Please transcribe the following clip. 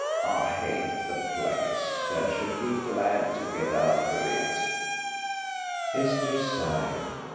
I hate the place, and shall be glad to get out of it." Esther sighed.